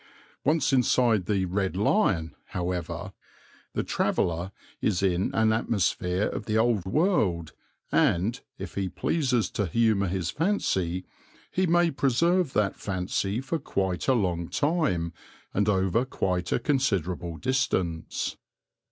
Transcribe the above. Once inside the "Red Lion," however, the traveller is in an atmosphere of the old world and, if he pleases to humour his fancy, he may preserve that fancy for quite a long time and over quite a considerable distance.